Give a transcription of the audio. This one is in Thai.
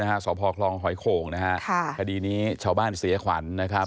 สพคลองหอยโข่งนะฮะค่ะคดีนี้ชาวบ้านเสียขวัญนะครับ